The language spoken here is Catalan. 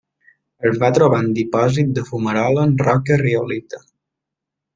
Es va trobar en dipòsits de fumarola en roca riolita.